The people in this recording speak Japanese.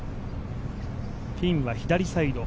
ピンは左サイド。